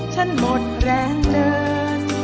หมดแรงเดิน